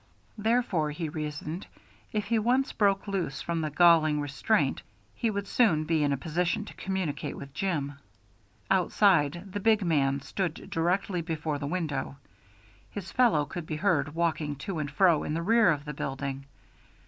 Therefore, he reasoned, if he once broke loose from this galling restraint, he would soon be in a position to communicate with Jim. Outside, the big man stood directly before the window; his fellow could be heard walking to and fro in the rear of the building.